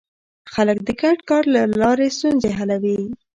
خلک د ګډ کار له لارې ستونزې حلوي